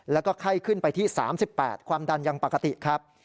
แล้วก็ไข้ขึ้นไปที่๓๘ความดันยังปกติครับ